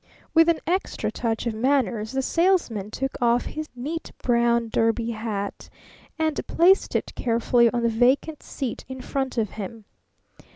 With an extra touch of manners the Salesman took off his neat brown derby hat and placed it carefully on the vacant seat in front of him.